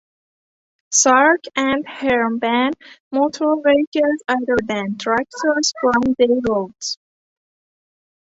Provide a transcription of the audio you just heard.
Sark and Herm ban motor vehicles other than tractors from their roads.